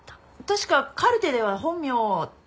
確かカルテでは本名「拓也」だ。